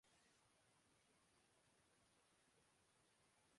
شہر سے دور ہونے کے باعث یہاں گاڑیوں کی آمدورفت بہت کم ہے